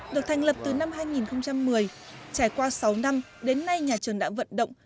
được thành lập từ năm hai nghìn một mươi trải qua sáu năm đến nay nhà trường đã vận động